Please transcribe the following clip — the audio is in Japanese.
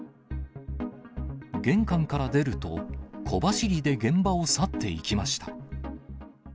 玄関から出ると、小走りで現場を去っていきました。